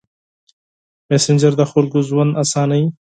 مسېنجر د خلکو ژوند اسانوي.